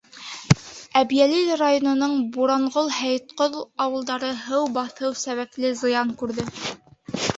Әбйәлил районының Буранғол, Һәйетҡол ауылдары һыу баҫыу сәбәпле зыян күрҙе.